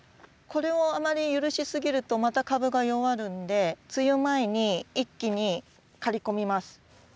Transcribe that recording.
これをあまり許しすぎるとまた株が弱るんで梅雨前に一気に刈り込みます。